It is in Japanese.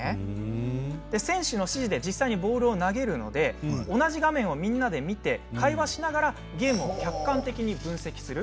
選手の指示で実際にボールを投げるので同じ画面をみんなで見て会話しながらゲームを客観的に分析する。